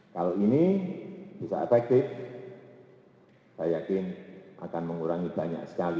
kalau ini bisa efektif saya yakin akan mengurangi banyak sekali